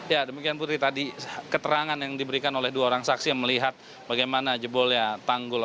ya demikian putri tadi keterangan yang diberikan oleh dua orang saksi yang melihat bagaimana jebolnya tanggul